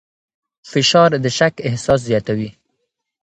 فشار د شک احساس زیاتوي.